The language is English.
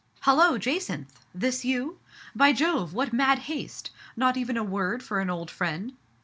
" Hullo, Jacynth ! This you ? By Jove ! what mad haste. Not even a word for an old friend